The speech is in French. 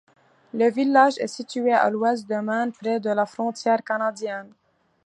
Le village est situé à l’ouest du Maine, près de la frontière canadienne.